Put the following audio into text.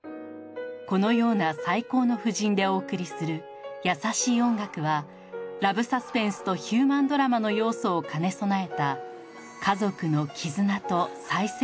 このような最高の布陣でお送りする『優しい音楽』はラブサスペンスとヒューマンドラマの要素を兼ね備えた。